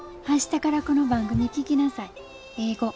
明日からこの番組聴きなさい。